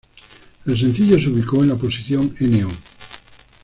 El sencillo se ubicó en la posición No.